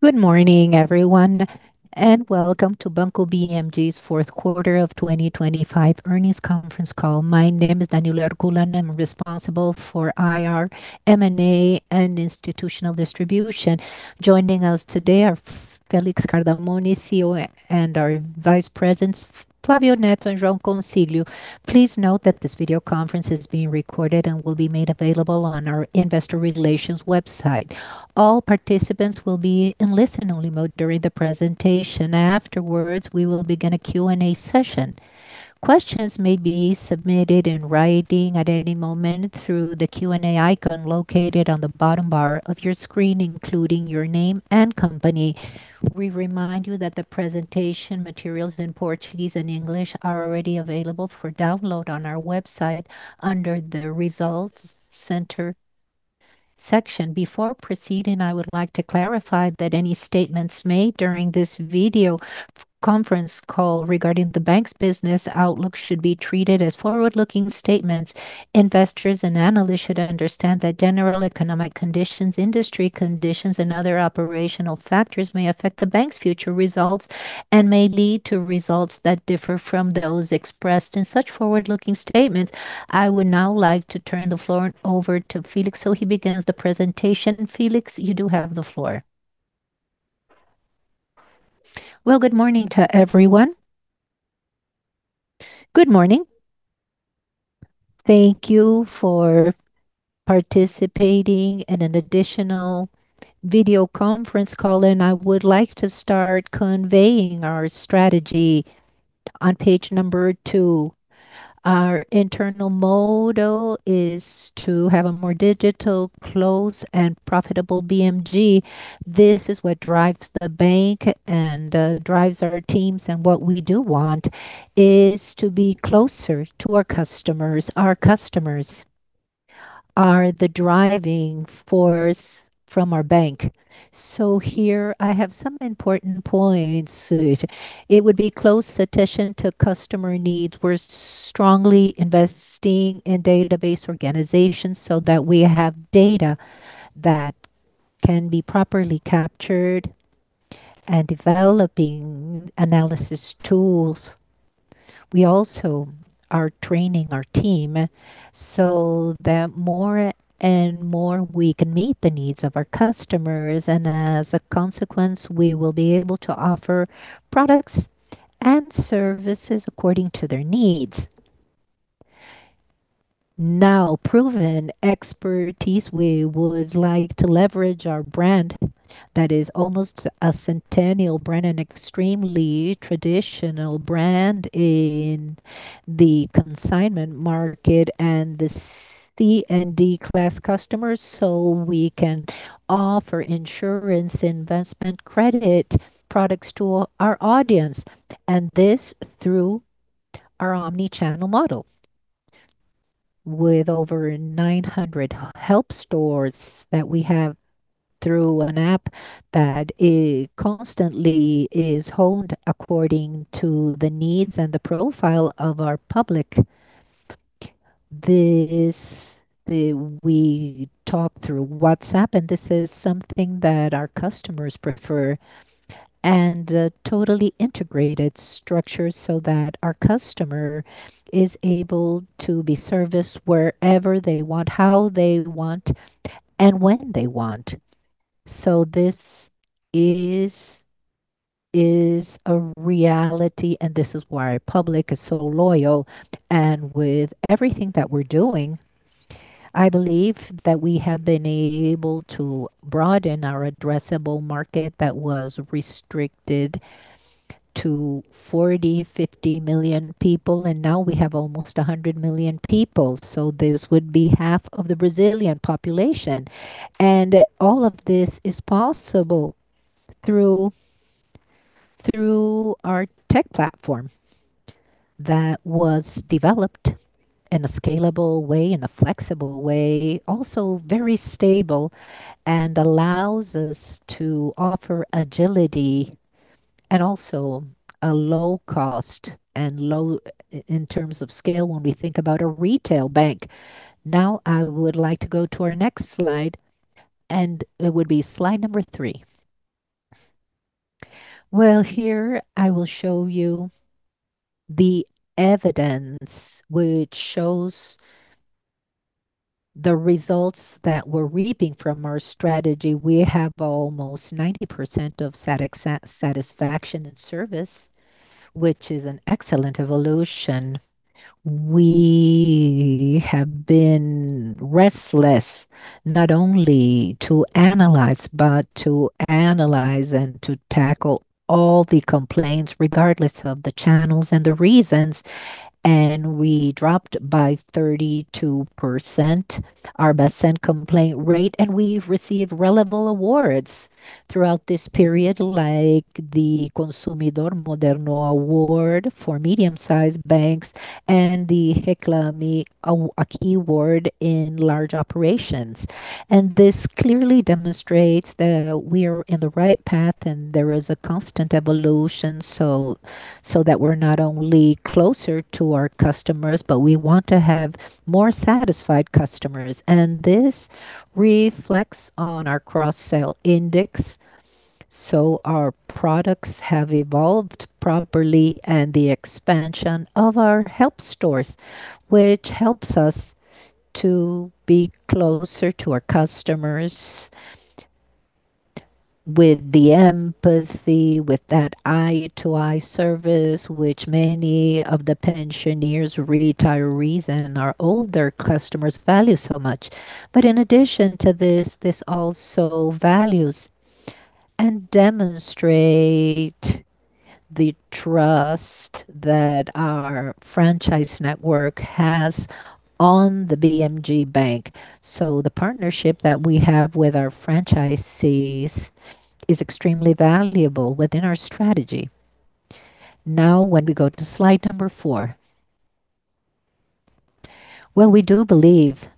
Good morning, everyone, welcome to Banco BMG's Fourth Quarter of 2025 earnings conference call. My name is Danilo Herculano. I'm responsible for IR, M&A, and Institutional Distribution. Joining us today are Felix Cardamone, CEO, and our Vice Presidents, Flávio Neto and João Consiglio. Please note that this video conference is being recorded and will be made available on our investor relations website. All participants will be in listen-only mode during the presentation. Afterwards, we will begin a Q&A session. Questions may be submitted in writing at any moment through the Q&A icon located on the bottom bar of your screen, including your name and company. We remind you that the presentation materials in Portuguese and English are already available for download on our website under the Results Center section. Before proceeding, I would like to clarify that any statements made during this video conference call regarding the bank's business outlook should be treated as forward-looking statements. Investors and analysts should understand that general economic conditions, industry conditions, and other operational factors may affect the bank's future results and may lead to results that differ from those expressed in such forward-looking statements. I would now like to turn the floor over to Felix so he begins the presentation. Felix, you do have the floor. Well, good morning to everyone. Good morning. Thank you for participating in an additional video conference call, and I would like to start conveying our strategy on page number two. Our internal motto is to have a more digital, close, and profitable BMG. This is what drives the bank and drives our teams, and what we do want is to be closer to our customers. Our customers are the driving force from our bank. Here I have some important points. It would be close attention to customer needs. We're strongly investing in database organization so that we have data that can be properly captured and developing analysis tools. We also are training our team so that more and more we can meet the needs of our customers, and as a consequence, we will be able to offer products and services according to their needs. Proven expertise. We would like to leverage our brand that is almost a centennial brand, an extremely traditional brand in the consignment market and the C and D class customers, so we can offer insurance, investment, credit products to our audience, and this through our omni-channel model. With over 900 Help stores that we have through an app that is constantly honed according to the needs and the profile of our public. We talk through WhatsApp, and this is something that our customers prefer, and a totally integrated structure so that our customer is able to be serviced wherever they want, how they want, and when they want. This is a reality, and this is why our public is so loyal. With everything that we're doing, I believe that we have been able to broaden our addressable market that was restricted to 40, 50 million people, and now we have almost 100 million people, this would be half of the Brazilian population. All of this is possible through our tech platform that was developed in a scalable way, in a flexible way, also very stable and allows us to offer agility and also a low cost and low in terms of scale when we think about a retail bank. Now, I would like to go to our next slide, and it would be slide number three. Well, here I will show you the evidence which shows the results that we're reaping from our strategy. We have almost 90% of satisfaction in service, which is an excellent evolution. We have been restless, not only to analyze, but to analyze and to tackle all the complaints, regardless of the channels and the reasons, and we dropped by 32% our best complaint rate. We've received relevant awards throughout this period, like the Prêmio Consumidor Moderno for medium-sized banks and the Prêmio Reclame Aqui in large operations. This clearly demonstrates that we are in the right path, and there is a constant evolution, so that we're not only closer to our customers, but we want to have more satisfied customers. This reflects on our cross-sell index. Our products have evolved properly, and the expansion of our help stores, which helps us to be closer to our customers with the empathy, with that eye-to-eye service, which many of the pensioners, retirees, and our older customers value so much. In addition to this also values and demonstrate the trust that our franchise network has on the BMG Bank. The partnership that we have with our franchisees is extremely valuable within our strategy. When we go to slide number four. We do believe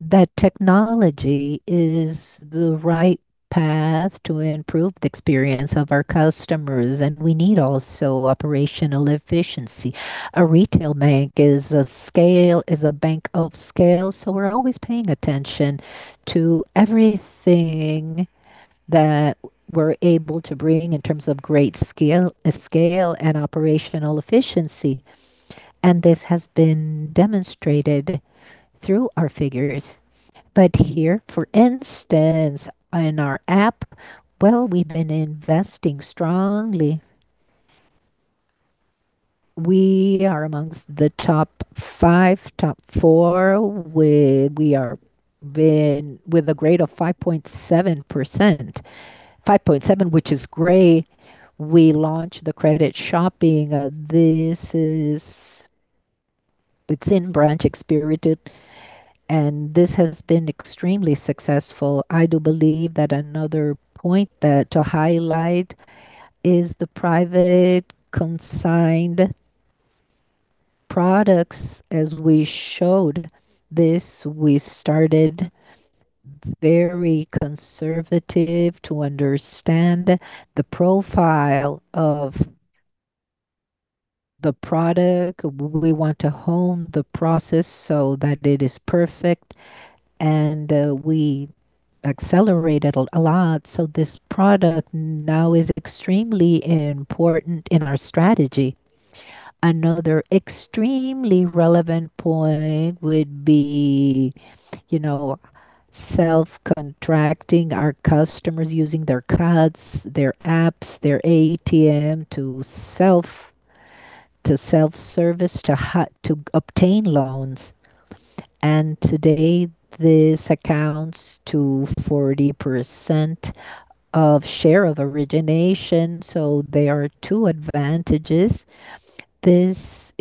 that technology is the right path to improve the experience of our customers, and we need also operational efficiency. A retail bank is a bank of scale, we're always paying attention to everything that we're able to bring in terms of great scale and operational efficiency, and this has been demonstrated through our figures. Here, for instance, in our app, we've been investing strongly. We are amongst the top five, top four, with a grade of 5.7%. 5.7%, which is great. We launched the credit shopping. It's in branch experience, and this has been extremely successful. I do believe that another point that to highlight is the private consigned products, as we showed this, we started very conservative to understand the profile of the product. We want to hone the process so that it is perfect, we accelerated a lot. This product now is extremely important in our strategy. Another extremely relevant point would be, you know, self-contracting our customers, using their cards, their apps, their ATM, to self-service, to obtain loans. Today, this accounts to 40% of share of origination, so there are two advantages. This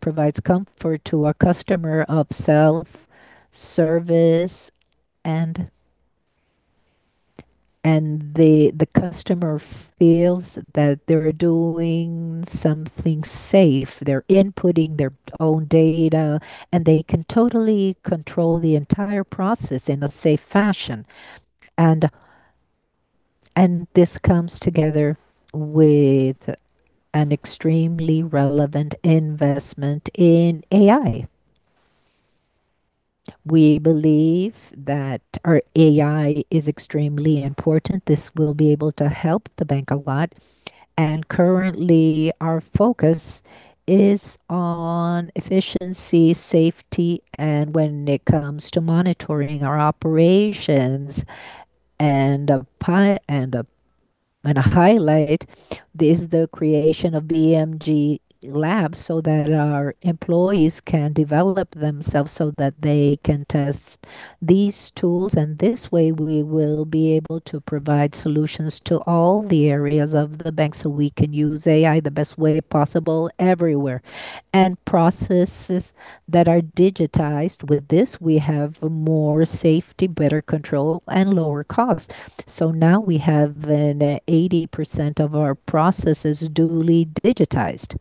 provides comfort to our customer of self-service, and the customer feels that they're doing something safe. They're inputting their own data, and they can totally control the entire process in a safe fashion. And this comes together with an extremely relevant investment in AI. We believe that our AI is extremely important. This will be able to help the bank a lot. Currently, our focus is on efficiency, safety, and when it comes to monitoring our operations and a highlight, this is the creation of BMG Labs, so that our employees can develop themselves so that they can test these tools. This way, we will be able to provide solutions to all the areas of the bank, so we can use AI the best way possible everywhere. Processes that are digitized, with this, we have more safety, better control, and lower cost. Now we have an 80% of our processes duly digitized.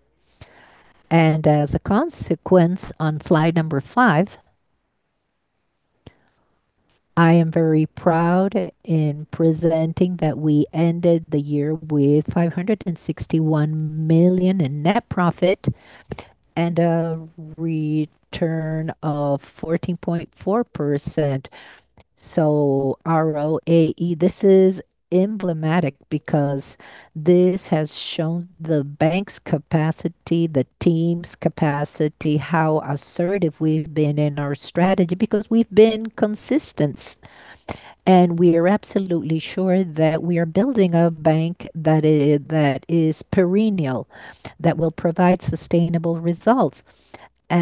As a consequence, on slide number five, I am very proud in presenting that we ended the year with 561 million in net profit and a return of 14.4%. ROAE, this is emblematic because this has shown the bank's capacity, the team's capacity, how assertive we've been in our strategy, because we've been consistent. We are absolutely sure that we are building a bank that is perennial, that will provide sustainable results.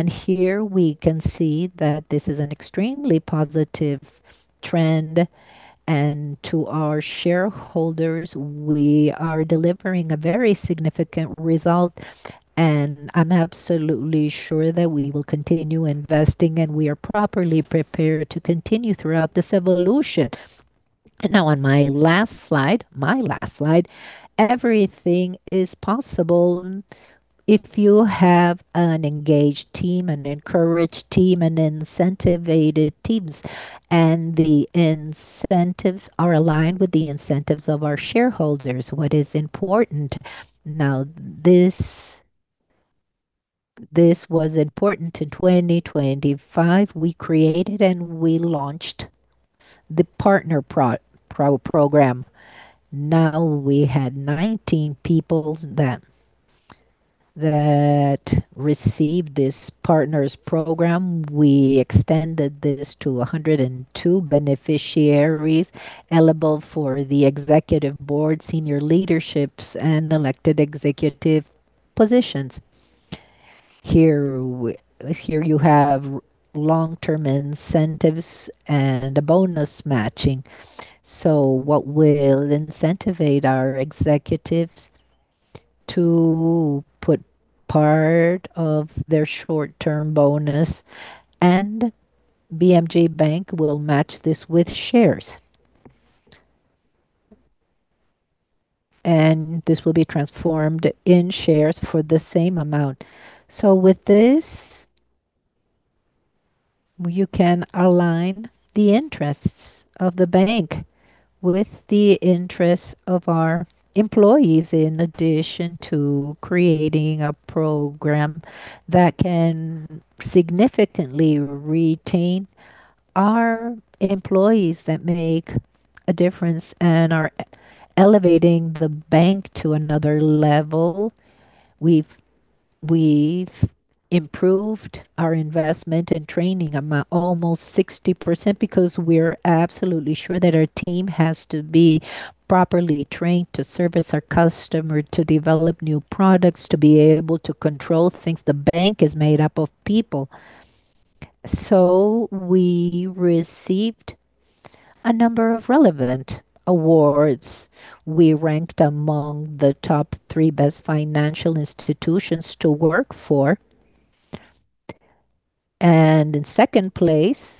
Here we can see that this is an extremely positive trend, and to our shareholders, we are delivering a very significant result, and I'm absolutely sure that we will continue investing, and we are properly prepared to continue throughout this evolution. Now, on my last slide, everything is possible if you have an engaged team, an encouraged team, an incentivized teams, and the incentives are aligned with the incentives of our shareholders. What is important now, this was important. In 2025, we created and we launched the partner program. We had 19 people that received this partners program. We extended this to 102 beneficiaries eligible for the executive board, senior leaderships, and elected executive positions. Here you have long-term incentives and a bonus matching. What will incentivize our executives to put part of their short-term bonus, and BMG Bank will match this with shares. This will be transformed in shares for the same amount. With this, you can align the interests of the bank with the interests of our employees, in addition to creating a program that can significantly retain our employees that make a difference and are elevating the bank to another level. We've improved our investment and training amount almost 60%, because we're absolutely sure that our team has to be properly trained to service our customer, to develop new products, to be able to control things. The bank is made up of people. We received a number of relevant awards. We ranked among the top three best financial institutions to work for, and in 2nd place,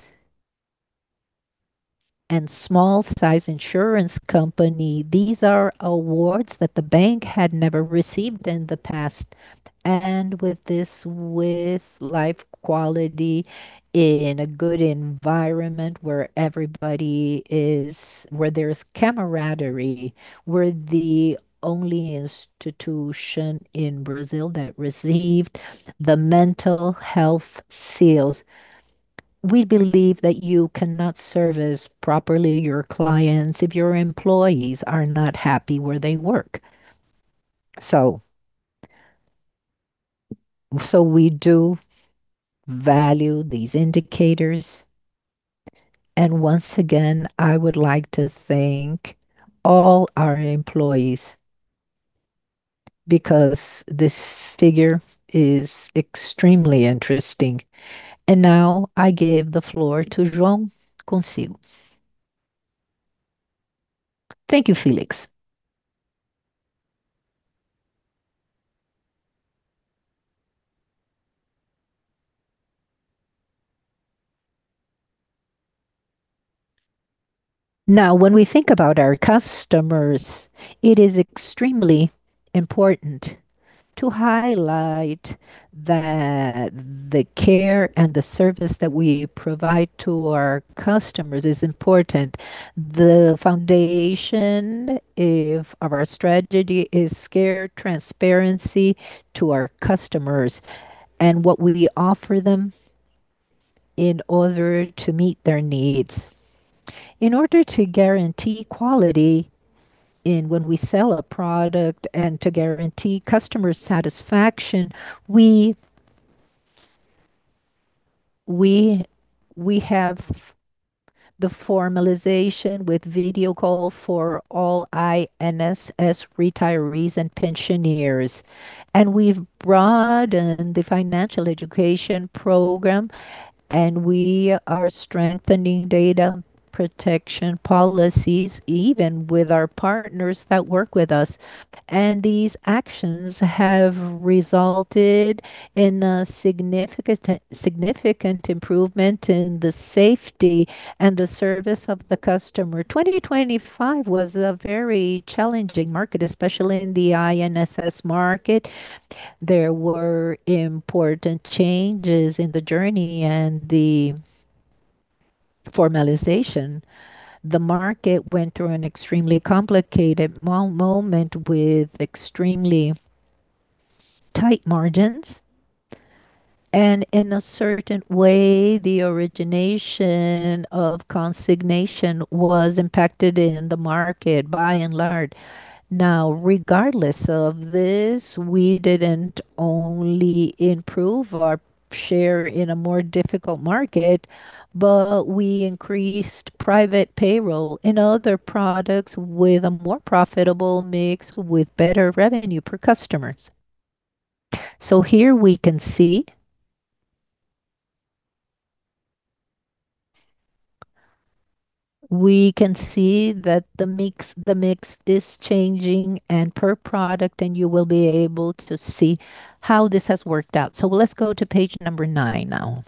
and small-size insurance company. These are awards that the bank had never received in the past, and with this, with life quality in a good environment, where there's camaraderie. We're the only institution in Brazil that received the mental health seals. We believe that you cannot service properly your clients if your employees are not happy where they work. We do value these indicators, and once again, I would like to thank all our employees, because this figure is extremely interesting. Now I give the floor to João Consiglio. Thank you, Felix. Now, when we think about our customers, it is extremely important to highlight that the care and the service that we provide to our customers is important. The foundation of our strategy is care, transparency to our customers and what we offer them in order to meet their needs. In order to guarantee quality in when we sell a product and to guarantee customer satisfaction, we have the formalization with video call for all INSS retirees and pensioners. We've broadened the financial education program. We are strengthening data protection policies, even with our partners that work with us. These actions have resulted in a significant improvement in the safety and the service of the customer. 2025 was a very challenging market, especially in the INSS market. There were important changes in the journey and the formalization. The market went through an extremely complicated moment with extremely tight margins, and in a certain way, the origination of consignation was impacted in the market by and large. Regardless of this, we didn't only improve our share in a more difficult market, but we increased private payroll in other products with a more profitable mix, with better revenue per customers. Here we can see that the mix is changing and per product, and you will be able to see how this has worked out. Let's go to page number nine now.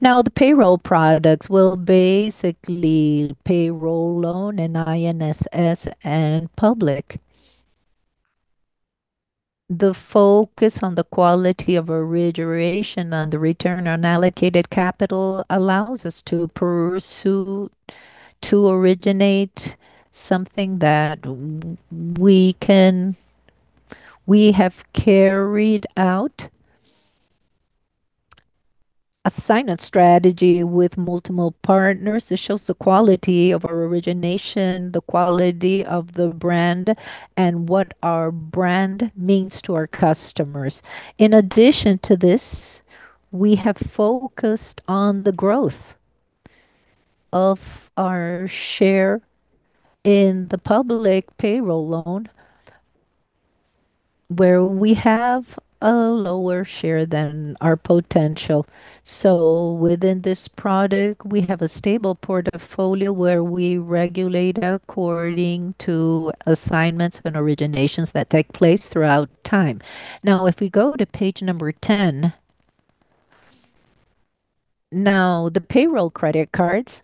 The payroll products, well, basically, payroll loan and INSS and public. The focus on the quality of origination and the return on allocated capital allows us to pursue, to originate something that we have carried out assignment strategy with multiple partners. It shows the quality of our origination, the quality of the brand, and what our brand means to our customers. In addition to this, we have focused on the growth of our share in the public payroll loan, where we have a lower share than our potential. Within this product, we have a stable portfolio where we regulate according to assignments and originations that take place throughout time. If we go to page number 10. The payroll credit cards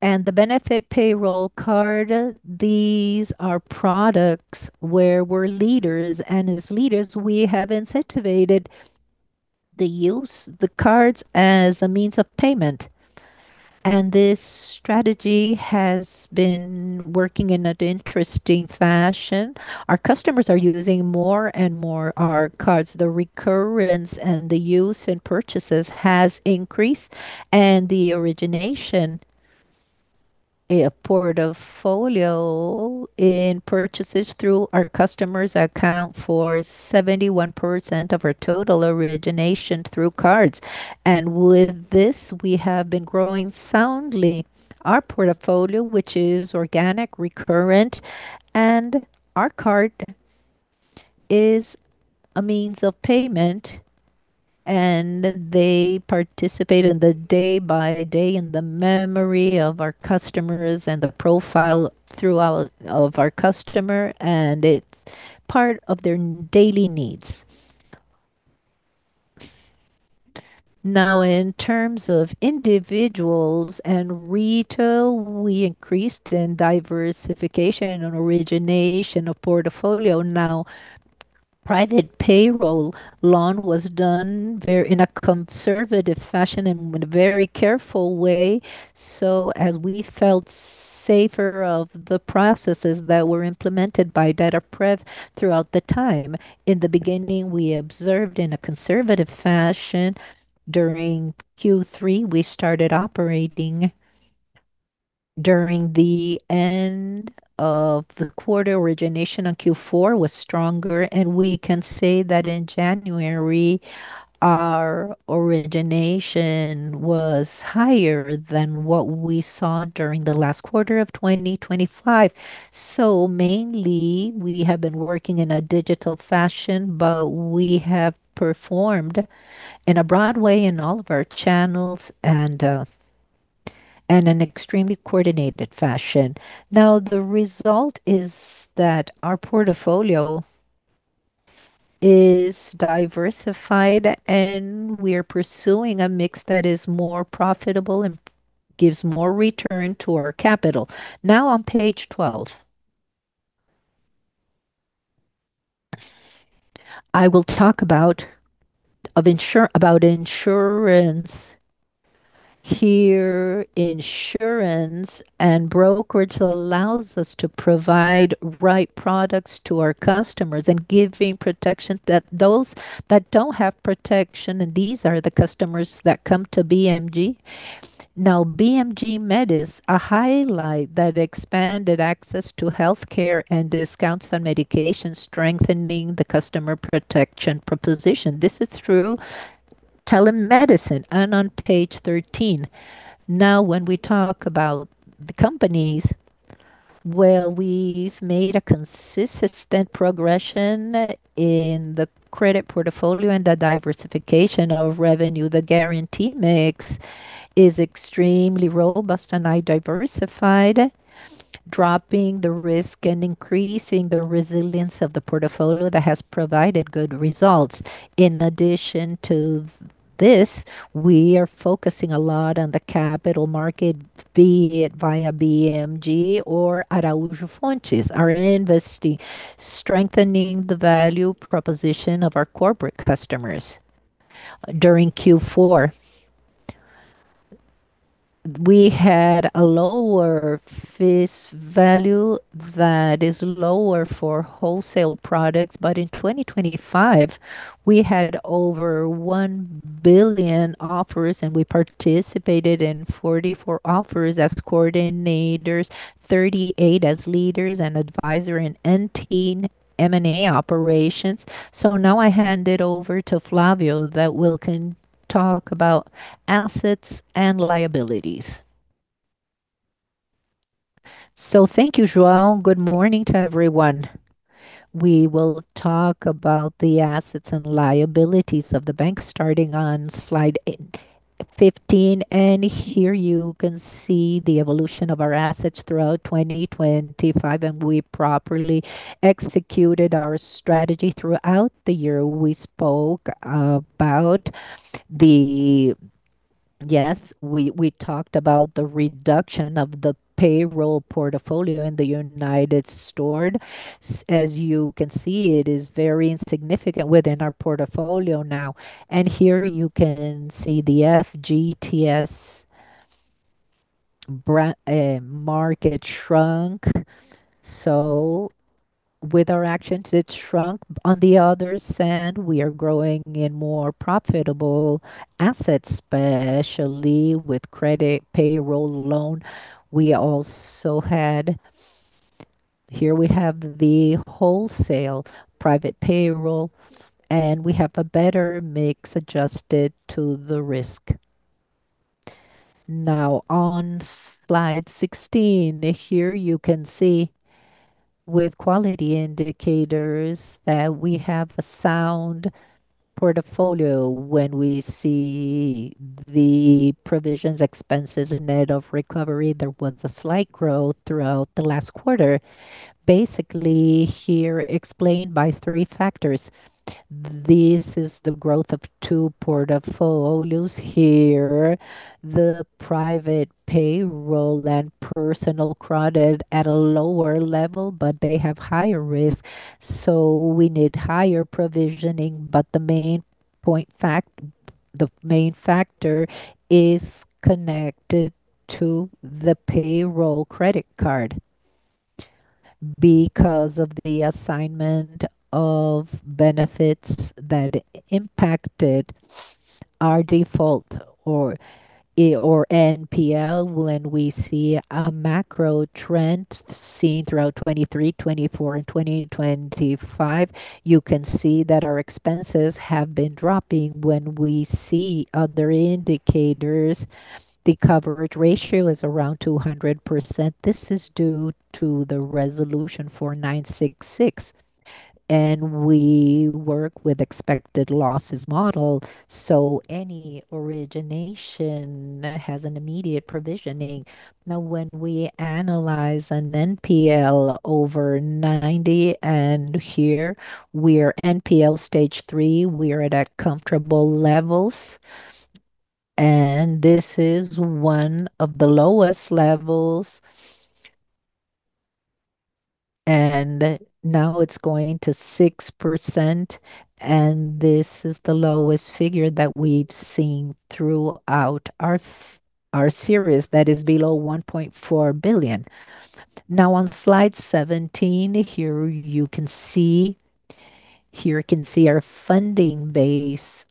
and the benefit payroll card, these are products where we're leaders, and as leaders, we have incentivized the use the cards as a means of payment. This strategy has been working in an interesting fashion. Our customers are using more and more our cards. The recurrence and the use in purchases has increased, and the origination, a portfolio in purchases through our customers account for 71% of our total origination through cards. With this, we have been growing soundly our portfolio, which is organic, recurrent, and our card is a means of payment, and they participate in the day by day in the memory of our customers and the profile throughout of our customer, and it's part of their daily needs. In terms of individuals and retail, we increased in diversification and origination of portfolio. Private payroll loan was done in a conservative fashion and in a very careful way. As we felt safer of the processes that were implemented by Dataprev throughout the time. In the beginning, we observed in a conservative fashion. During Q3, we started operating. During the end of the quarter, origination on Q4 was stronger, and we can say that in January, our origination was higher than what we saw during the last quarter of 2025. Mainly, we have been working in a digital fashion, but we have performed in a broad way in all of our channels and in an extremely coordinated fashion. The result is that our portfolio is diversified, and we are pursuing a mix that is more profitable and gives more return to our capital. On page 12, I will talk about insurance. Here, insurance and brokerage allows us to provide right products to our customers and giving protection that those that don't have protection, and these are the customers that come to BMG. BMG Med is a highlight that expanded access to healthcare and discounts on medication, strengthening the customer protection proposition. This is through telemedicine. On page 13. When we talk about the companies, well, we've made a consistent progression in the credit portfolio and the diversification of revenue. The guarantee mix is extremely robust and highly diversified, dropping the risk and increasing the resilience of the portfolio that has provided good results. In addition to this, we are focusing a lot on the capital market, be it via BMG or Araújo Fontes, our investing, strengthening the value proposition of our corporate customers. During Q4, we had a lower fees value, that is lower for wholesale products, but in 2025, we had over 1 billion offers, and we participated in 44 offers as coordinators, 38 as leaders and advisor in 18 M&A operations. Now I hand it over to Flávio, that will talk about assets and liabilities. Thank you, João. Good morning to everyone. We will talk about the assets and liabilities of the bank, starting on slide 15. Here you can see the evolution of our assets throughout 2025, and we properly executed our strategy throughout the year. We spoke about the... Yes, we talked about the reduction of the payroll portfolio in the United States. As you can see, it is very insignificant within our portfolio now. Here you can see the FGTS market shrunk. With our actions, it shrunk. On the other hand, we are growing in more profitable assets, especially with credit payroll loan. Here we have the wholesale private payroll, and we have a better mix adjusted to the risk. On slide 16, here you can see with quality indicators that we have a sound portfolio. When we see the provisions, expenses, and net of recovery, there was a slight growth throughout the last quarter. Basically, here explained by three factors. This is the growth of two portfolios here, the private payroll and personal credit at a lower level, but they have higher risk, so we need higher provisioning. The main factor is connected to the payroll credit card because of the assignment of benefits that impacted our default or NPL. When we see a macro trend seen throughout 2023, 2024, and 2025, you can see that our expenses have been dropping when we see other indicators. The coverage ratio is around 200%. This is due to the resolution 4,966, and we work with Expected Credit Loss model, so any origination has an immediate provisioning. Now, when we analyze an NPL over 90, and here we are NPL Stage 3, we are at a comfortable levels, and this is one of the lowest levels. Now it's going to 6%, this is the lowest figure that we've seen throughout our series. That is below 1.4 billion. On slide 17, here you can see our funding base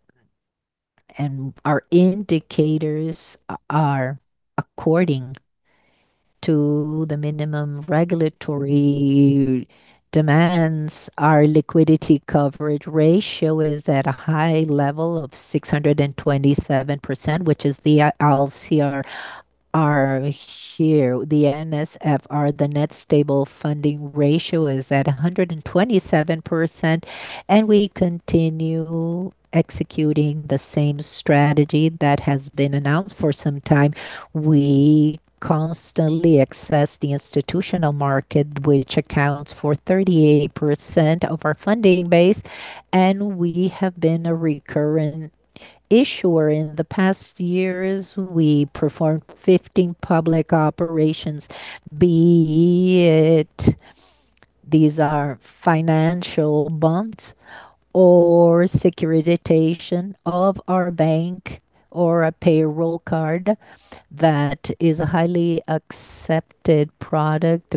and our indicators are according to the minimum regulatory demands. Our liquidity coverage ratio is at a high level of 627%, which is the LCRR here. The NSFR, the Net Stable Funding Ratio, is at 127%, we continue executing the same strategy that has been announced for some time. We constantly access the institutional market, which accounts for 38% of our funding base, we have been a recurrent issuer. In the past years, we performed 15 public operations, be it these are financial bonds or securitization of our bank or a payroll card that is a highly accepted product.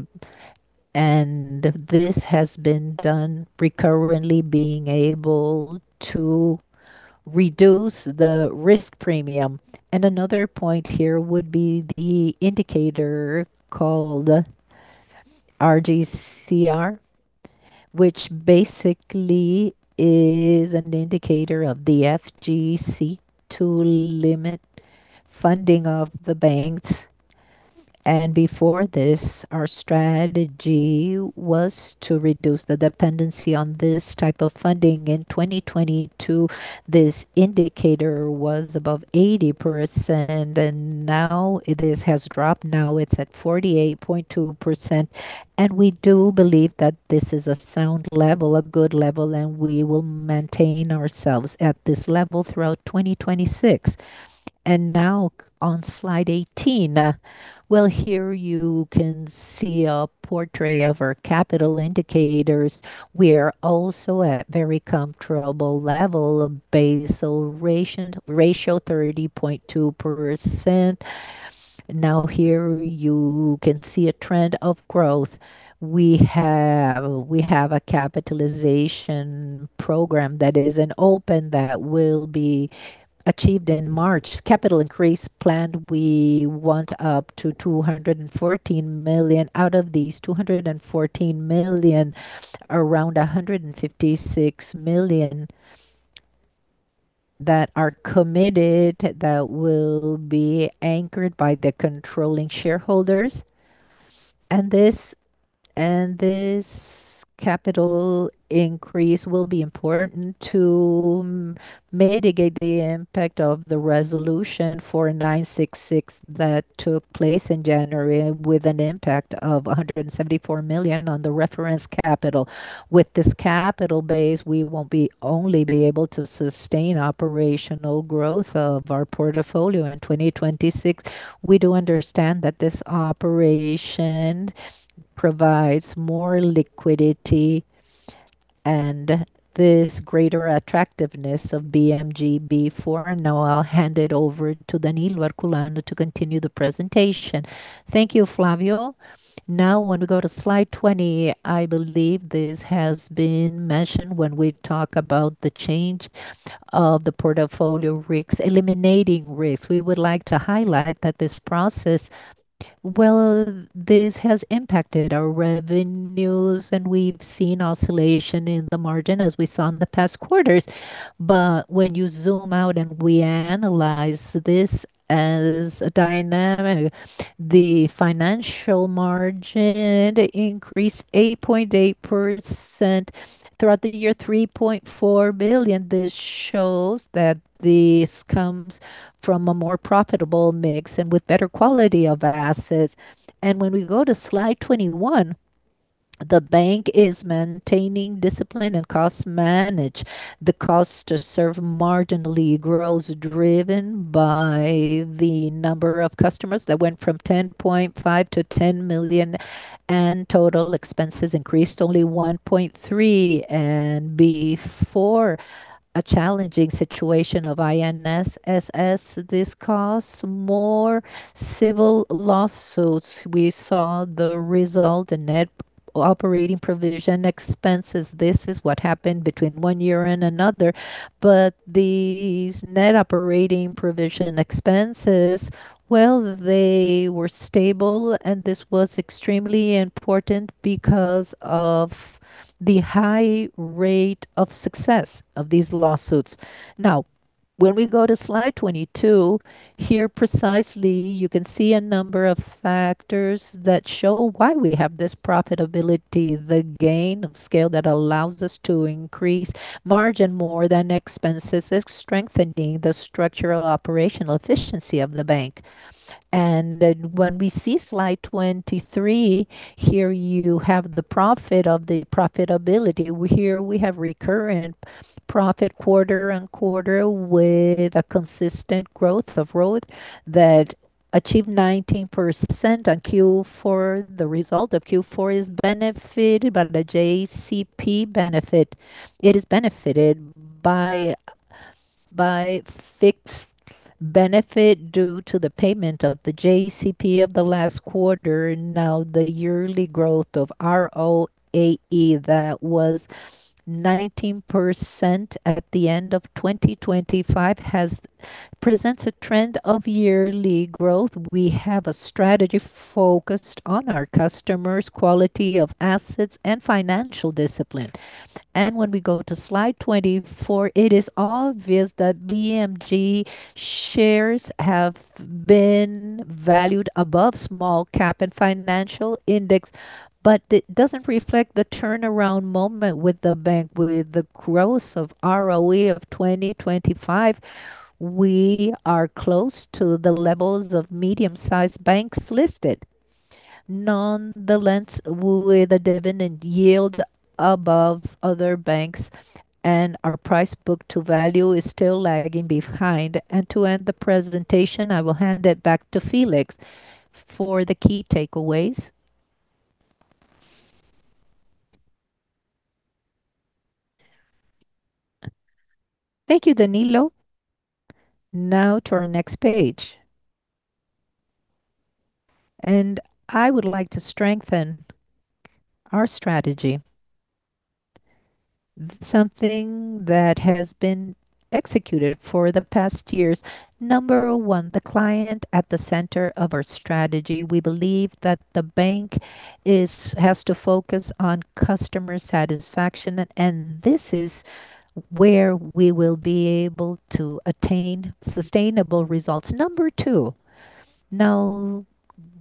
This has been done recurrently, being able to reduce the risk premium. Another point here would be the indicator called RGCR, which basically is an indicator of the FGC to limit funding of the banks. Before this, our strategy was to reduce the dependency on this type of funding. In 2022, this indicator was above 80%. Now it has dropped. Now it's at 48.2%. We do believe that this is a sound level, a good level. We will maintain ourselves at this level throughout 2026. Now on slide 18, well, here you can see a portrait of our capital indicators. We are also at very comfortable level of Basel ratio, 30.2%. Here you can see a trend of growth. We have a capitalization program that is in open, that will be achieved in March. Capital increase plan, we want up to 214 million. Out of these 214 million, around 156 million that are committed, that will be anchored by the controlling shareholders. This capital increase will be important to mitigate the impact of the Resolution 4,966 that took place in January, with an impact of 174 million on the reference capital. With this capital base, we won't be only able to sustain operational growth of our portfolio in 2026. We do understand that this operation provides more liquidity. This greater attractiveness of BMG before. Now I'll hand it over to Danilo Herculano to continue the presentation. Thank you, Flávio. When we go to slide 20, I believe this has been mentioned when we talk about the change of the portfolio risks, eliminating risks. We would like to highlight that this process, well, this has impacted our revenues, and we've seen oscillation in the margin as we saw in the past quarters. When you zoom out and we analyze this as a dynamic, the financial margin increased 8.8%. Throughout the year, 3.4 billion. This shows that this comes from a more profitable mix and with better quality of assets. When we go to slide 21, the bank is maintaining discipline and cost manage. The cost to serve margin league grows, driven by the number of customers that went from 10.5 million-10 million, and total expenses increased only 1.3%. Before a challenging situation of INSS, this costs more civil lawsuits. We saw the result, the net operating provision expenses. This is what happened between one year and another. These net operating provision expenses, well, they were stable, and this was extremely important because of the high rate of success of these lawsuits. When we go to slide 22, here precisely, you can see a number of factors that show why we have this profitability. The gain of scale that allows us to increase margin more than expenses is strengthening the structural operational efficiency of the bank. When we see slide 23, here you have the profit of the profitability. Here we have recurrent profit quarter-on-quarter with a consistent growth of ROAE that achieved 19% on Q4. The result of Q4 is benefited by the JCP benefit. It is benefited by fixed benefit due to the payment of the JCP of the last quarter and now the yearly growth of ROAE, that was 19% at the end of 2025, presents a trend of yearly growth. We have a strategy focused on our customers, quality of assets, and financial discipline. When we go to slide 24, it is obvious that BMG shares have been valued above small cap and financial index. It doesn't reflect the turnaround moment with the bank. With the growth of ROE of 2025, we are close to the levels of medium-sized banks listed. Non-the-lens, with a dividend yield above other banks. Our Price-to-Book Value is still lagging behind. To end the presentation, I will hand it back to Felix for the key takeaways. Thank you, Danilo. Now to our next page. I would like to strengthen our strategy, something that has been executed for the past years. Number one, the client at the center of our strategy. We believe that the bank has to focus on customer satisfaction, and this is where we will be able to attain sustainable results. Number two, now,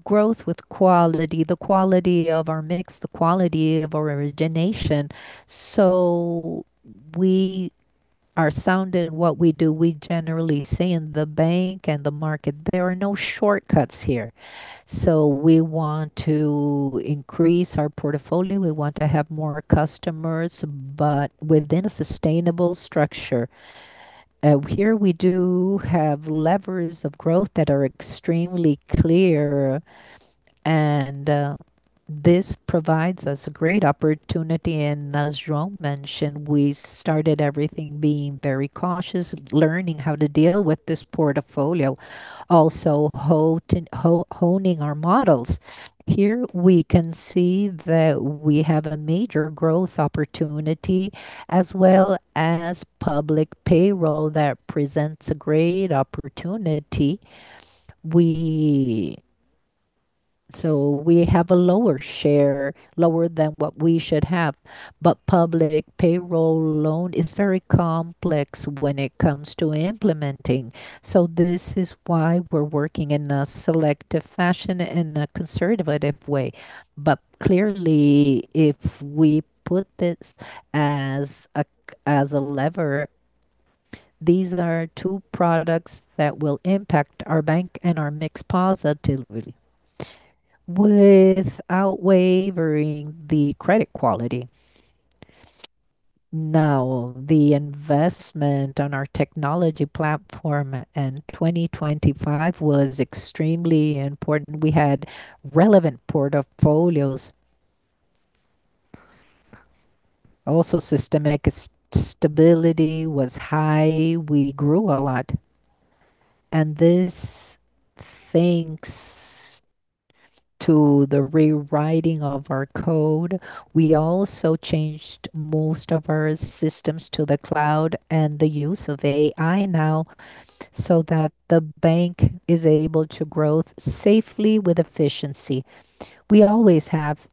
growth with quality, the quality of our mix, the quality of our origination, so we are sound in what we do. We generally say in the bank and the market, there are no shortcuts here. We want to increase our portfolio, we want to have more customers, but within a sustainable structure. Here we do have levers of growth that are extremely clear, and this provides us a great opportunity. As João mentioned, we started everything being very cautious, learning how to deal with this portfolio, also honing our models. Here we can see that we have a major growth opportunity, as well as public payroll that presents a great opportunity. We have a lower share, lower than what we should have, but public payroll loan is very complex when it comes to implementing. This is why we're working in a selective fashion and a conservative way. Clearly, if we put this as a, as a lever, these are two products that will impact our bank and our mix positively, without wavering the credit quality. The investment on our technology platform in 2025 was extremely important. We had relevant portfolios-... Systemic stability was high. We grew a lot, and this, thanks to the rewriting of our code, we also changed most of our systems to the cloud and the use of AI now, so that the bank is able to grow safely with efficiency. We always have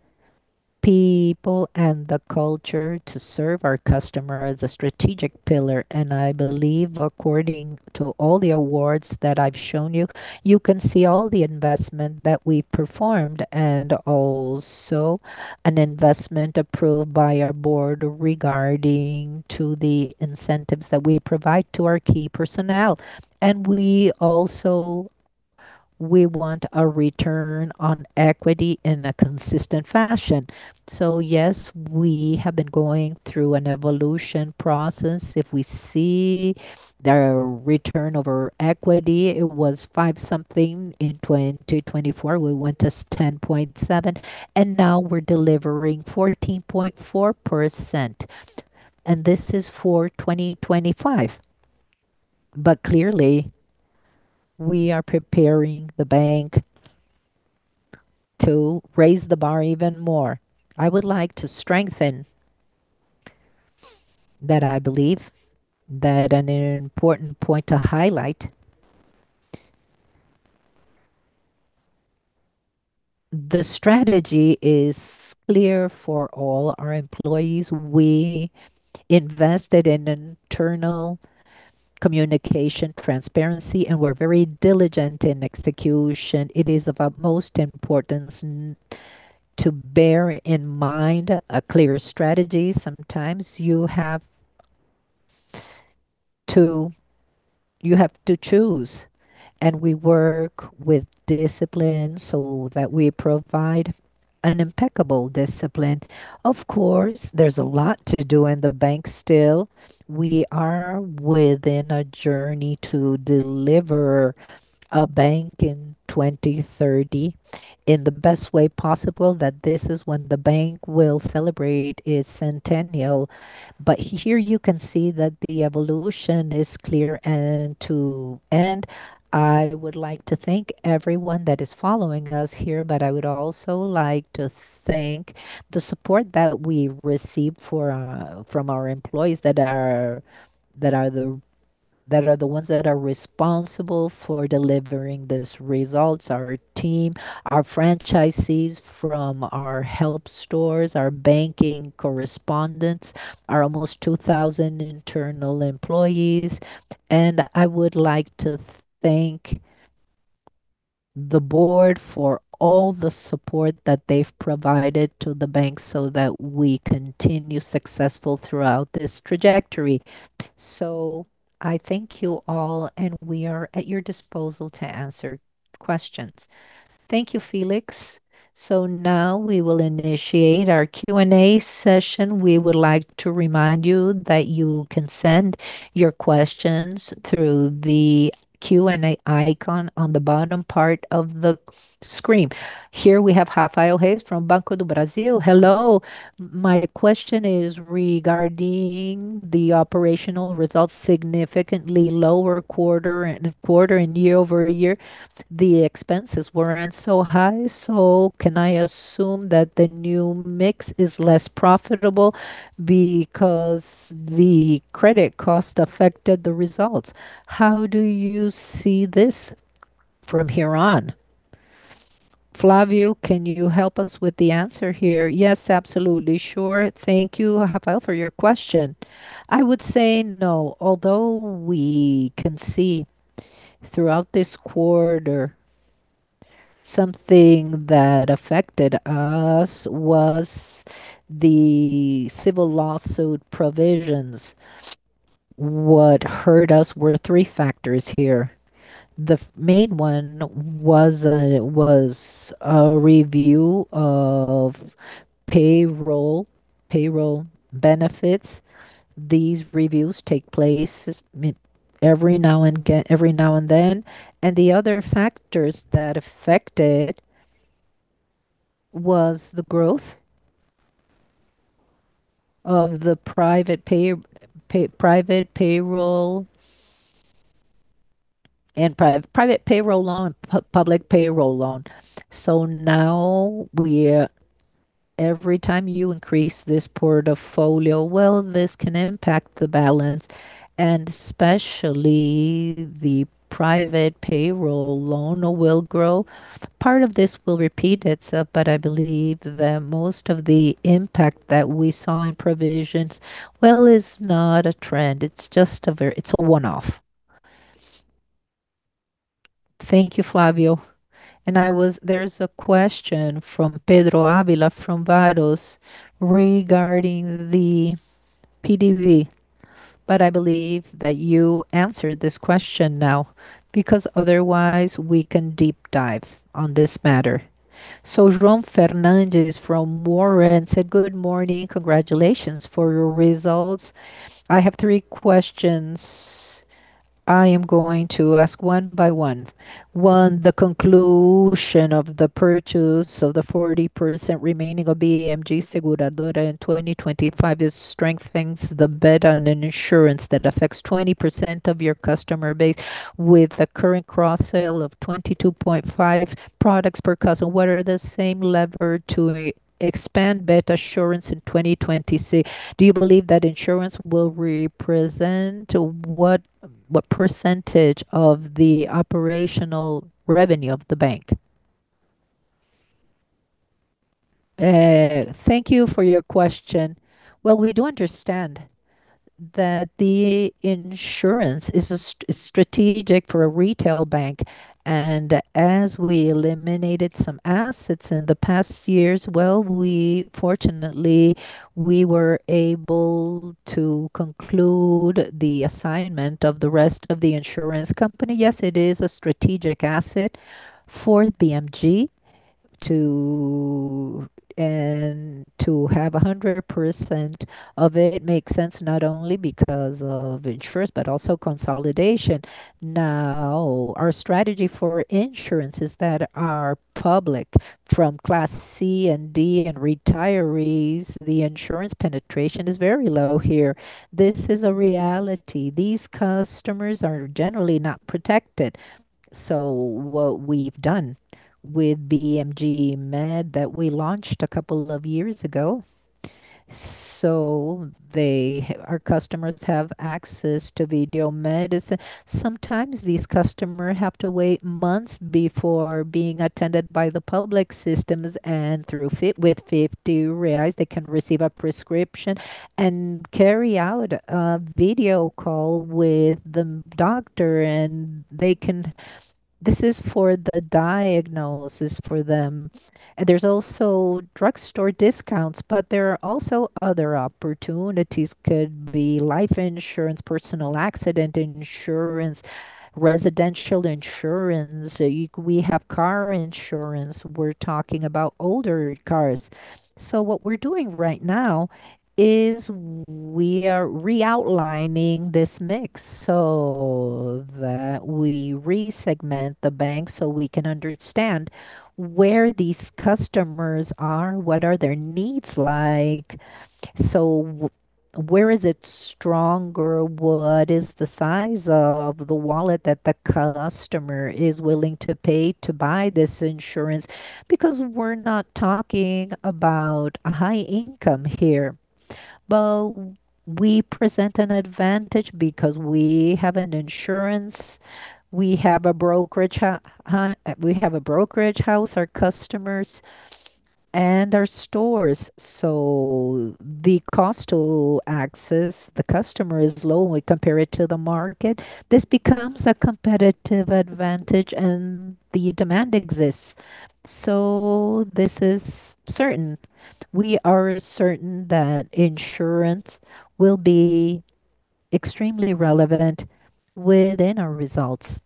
people and the culture to serve our customer as a strategic pillar, and I believe according to all the awards that I've shown you can see all the investment that we performed, and also an investment approved by our board regarding to the incentives that we provide to our key personnel. We also want a return on equity in a consistent fashion. Yes, we have been going through an evolution process. If we see the return of our equity, it was five something in 2024. We went to 10.7, and now we're delivering 14.4%, and this is for 2025. Clearly, we are preparing the bank to raise the bar even more. I would like to strengthen that I believe that an important point to highlight, the strategy is clear for all our employees. We invested in internal communication, transparency, and we're very diligent in execution. It is of utmost importance to bear in mind a clear strategy. Sometimes you have to choose, and we work with discipline so that we provide an impeccable discipline. There's a lot to do in the bank still. We are within a journey to deliver a bank in 2030 in the best way possible, that this is when the bank will celebrate its centennial. Here you can see that the evolution is clear, and to end, I would like to thank everyone that is following us here. I would also like to thank the support that we received from our employees that are the ones that are responsible for delivering these results. Our team, our franchisees from our Help stores, our banking correspondents, our almost 2,000 internal employees, and I would like to thank the Board for all the support that they've provided to the bank so that we continue successful throughout this trajectory. I thank you all, and we are at your disposal to answer questions. Thank you, Felix. Now we will initiate our Q&A session. We would like to remind you that you can send your questions through the Q&A icon on the bottom part of the screen. Here we have Rafael Reis from Banco do Brasil. Hello. My question is regarding the operational results, significantly lower quarter-over-quarter and year-over-year, the expenses weren't so high. Can I assume that the new mix is less profitable because the credit cost affected the results? How do you see this from here on? Flávio, can you help us with the answer here? Yes, absolutely sure. Thank you, Rafael, for your question. I would say no, although we can see throughout this quarter, something that affected us was the civil lawsuit provisions. What hurt us were three factors here. The main one was a review of payroll benefits. These reviews take place every now and then, The other factors that affected was the growth of the private pay, private payroll and private payroll loan, public payroll loan. Now every time you increase this portfolio, well, this can impact the balance, and especially the private payroll loan will grow. Part of this will repeat itself, I believe that most of the impact that we saw in provisions, well, is not a trend. It's just a one-off. Thank you, Flávio. There's a question from Pedro Ávila, from VAROS Research, regarding the PDV, I believe that you answered this question now, because otherwise we can deep dive on this matter. Jerome Fernandes from Warren said: "Good morning. Congratulations for your results. I have three questions."... I am going to ask one by one. One, the conclusion of the purchase of the 40% remaining of BMG Seguradora in 2025, it strengthens the bet on an insurance that affects 20% of your customer base, with a current cross-sell of 22.5 products per customer. What are the same lever to expand bet assurance in 2026? Do you believe that insurance will represent what percentage of the operational revenue of the bank? Thank you for your question. Well, we do understand that the insurance is a strategic for a retail bank, and as we eliminated some assets in the past years, well, fortunately, we were able to conclude the assignment of the rest of the insurance company. It is a strategic asset for BMG and to have 100% of it makes sense, not only because of insurance, but also consolidation. Our strategy for insurance is that our public, from Class C and D and retirees, the insurance penetration is very low here. This is a reality. These customers are generally not protected. What we've done with BMG Med, that we launched a couple of years ago, our customers have access to video medicine. Sometimes these customers have to wait months before being attended by the public systems, and with 50 reais, they can receive a prescription and carry out a video call with the doctor. This is for the diagnosis for them. There's also drugstore discounts. There are also other opportunities. Could be life insurance, personal accident insurance, residential insurance. We have car insurance. We're talking about older cars. What we're doing right now is we are re-outlining this mix so that we re-segment the bank, so we can understand where these customers are, what are their needs like? Where is it stronger? What is the size of the wallet that the customer is willing to pay to buy this insurance? Because we're not talking about a high income here. We present an advantage because we have an insurance, we have a brokerage. We have a brokerage house, our customers and our stores. The cost to access the customer is low when we compare it to the market. This becomes a competitive advantage and the demand exists. This is certain. We are certain that insurance will be extremely relevant within our results,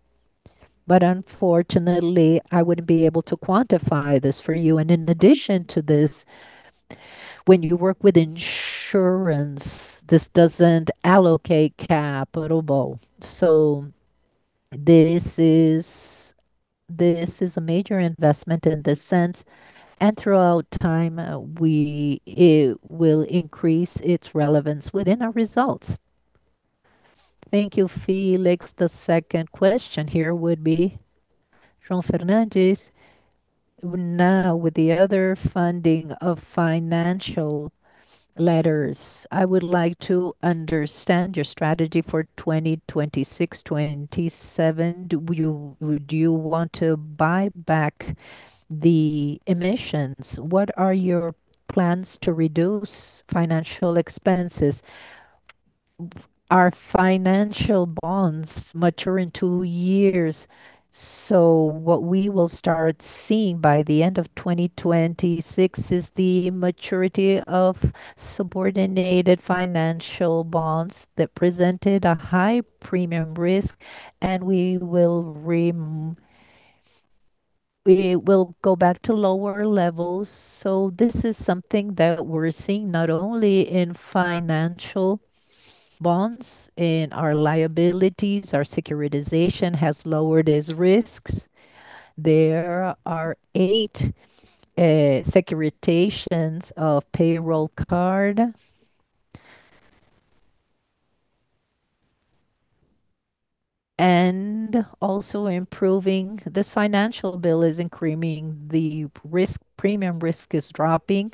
unfortunately, I wouldn't be able to quantify this for you. In addition to this, when you work with insurance, this doesn't allocate capital. This is a major investment in this sense, and throughout time, we will increase its relevance within our results. Thank you, Felix. The second question here would be João Fernandes. Now, with the other funding of financial letters, I would like to understand your strategy for 2026, 2027. Do you want to buy back the emissions? What are your plans to reduce financial expenses? Our financial bonds mature in two years. What we will start seeing by the end of 2026 is the maturity of subordinated financial bonds that presented a high premium risk, and we will go back to lower levels. This is something that we're seeing not only in financial bonds, in our liabilities, our securitization has lowered its risks. There are eight securitizations of payroll card. This financial bill is increasing. The risk, premium risk is dropping,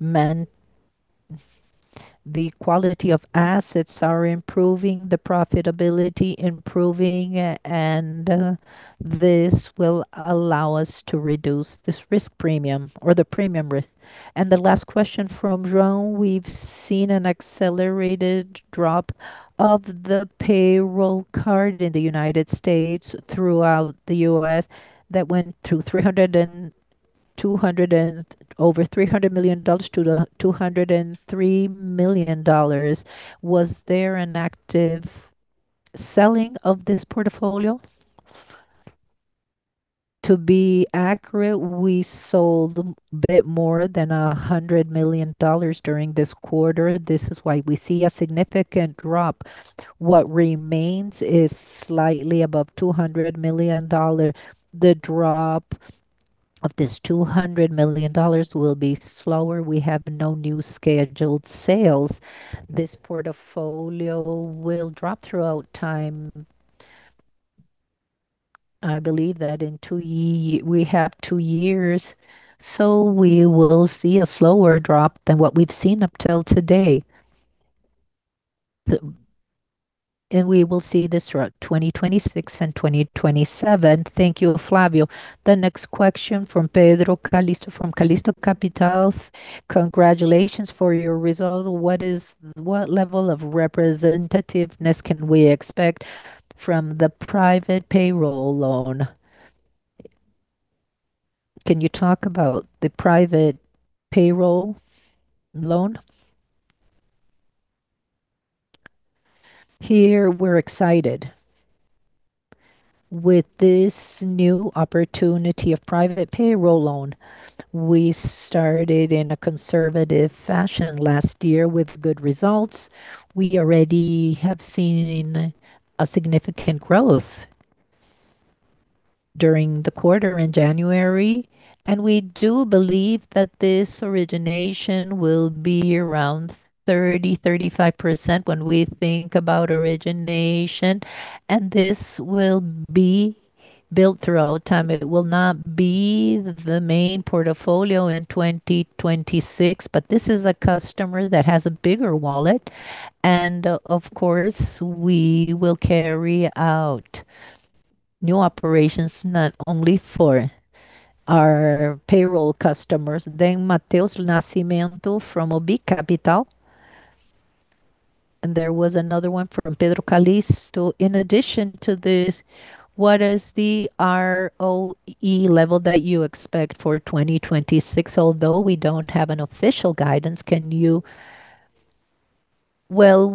and the quality of assets are improving, the profitability improving, and this will allow us to reduce this risk premium or the premium risk. The last question from João: We've seen an accelerated drop of the payroll card in the United States, throughout the U.S., that went over $300 million-$203 million. Was there an active selling of this portfolio? To be accurate, we sold a bit more than $100 million during this quarter. This is why we see a significant drop. What remains is slightly above $200 million. The drop of this $200 million will be slower. We have no new scheduled sales. This portfolio will drop throughout time. I believe that we have two years, so we will see a slower drop than what we've seen up till today. We will see this throughout 2026 and 2027. Thank you, Flávio. The next question from Pedro Calixto, from Calixto Capital. Congratulations for your result. What level of representativeness can we expect from the private payroll loan? Can you talk about the private payroll loan? Here we're excited. With this new opportunity of private payroll loan, we started in a conservative fashion last year with good results. We already have seen a significant growth during the quarter in January. We do believe that this origination will be around 30%-35% when we think about origination. This will be built throughout time. It will not be the main portfolio in 2026. This is a customer that has a bigger wallet. Of course, we will carry out new operations not only for our payroll customers. Mateus Nascimento from Oby Capital. There was another one from Pedro Calixto. In addition to this, what is the ROE level that you expect for 2026? Well,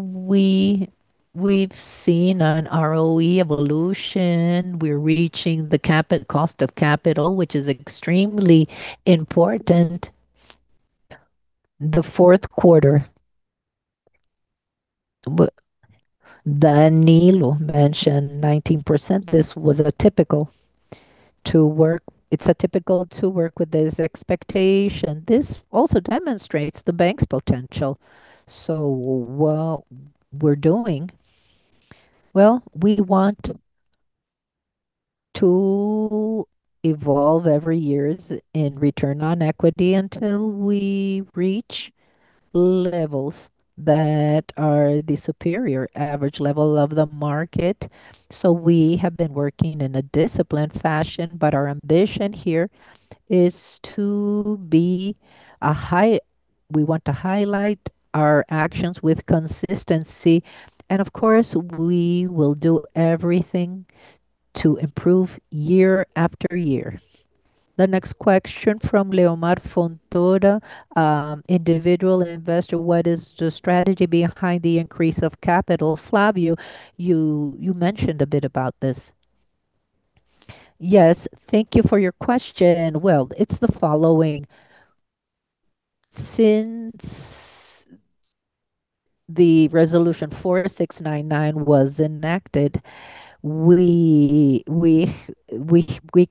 we've seen an ROE evolution. We're reaching the cost of capital, which is extremely important. The fourth quarter, Danilo mentioned 19%. It's atypical to work with this expectation. This also demonstrates the bank's potential. What we're doing, well, we want to evolve every year in return on equity until we reach levels that are the superior average level of the market. We have been working in a disciplined fashion. We want to highlight our actions with consistency. Of course, we will do everything to improve year after year. The next question from Leomar Fontoura, individual investor: What is the strategy behind the increase of capital? Flávio, you mentioned a bit about this. Thank you for your question. It's the following. Since Resolution 4,699 was enacted, we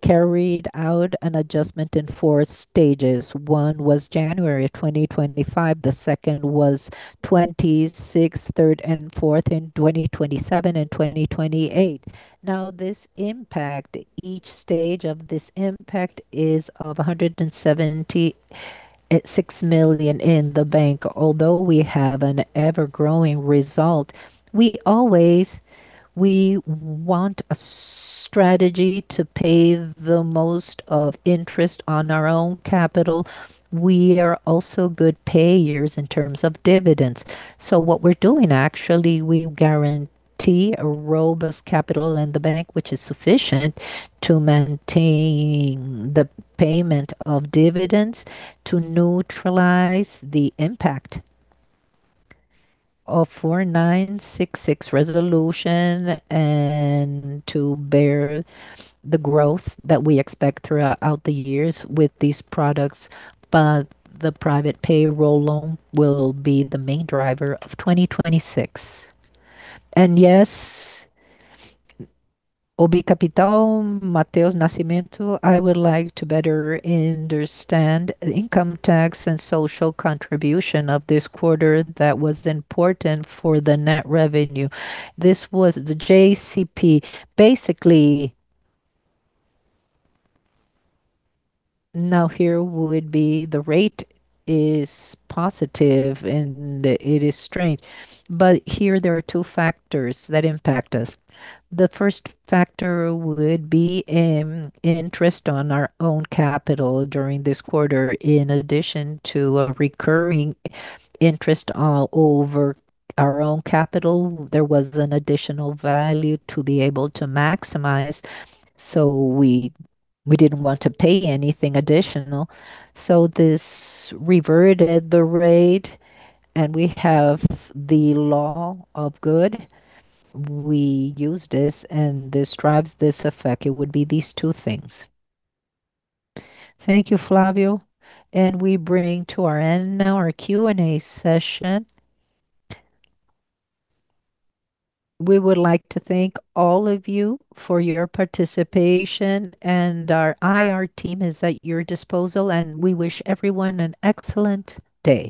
carried out an adjustment in four stages. One was January 2025, the second was 2026, third and fourth in 2027 and 2028. This impact, each stage of this impact is of 176 million in the bank. Although we have an ever-growing result, we want a strategy to pay the most of interest on our own capital. We are also good payers in terms of dividends. What we're doing, actually, we guarantee a robust capital in the bank, which is sufficient to maintain the payment of dividends, to neutralize the impact of Resolution 4,966 and to bear the growth that we expect throughout the years with these products. The private payroll loan will be the main driver of 2026. Yes, Oby Capital, Mateus Nascimento, I would like to better understand the income tax and social contribution of this quarter that was important for the net revenue. This was the JCP. Here would be the rate is positive, and it is strange, but here there are two factors that impact us. The first factor would be interest on our own capital during this quarter. In addition to a recurring interest over our own capital, there was an additional value to be able to maximize, we didn't want to pay anything additional. This reverted the rate, we have the Lei do Bem. We use this drives this effect. It would be these two things. Thank you, Flávio, we bring to an end now our Q&A session. We would like to thank all of you for your participation, our IR team is at your disposal, we wish everyone an excellent day.